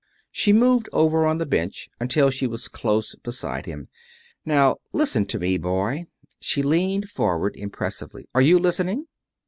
She moved over on the bench until she was close beside him. "Now, listen to me, boy." She leaned forward, impressively. "Are you listening?"